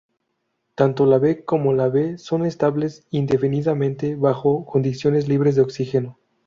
Tanto la B como la B son estables indefinidamente bajo condiciones libres de oxígeno.